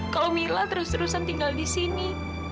kalau mila terus terusan tinggal disini